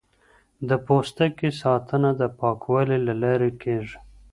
د پوستکي ساتنه د پاکوالي له لارې کیږي.